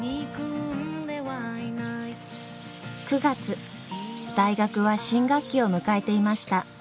９月大学は新学期を迎えていました。